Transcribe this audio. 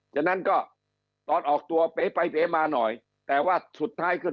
ฉะนั้นก็ตอนออกตัวเป๊ไปเป๊มาหน่อยแต่ว่าสุดท้ายขึ้น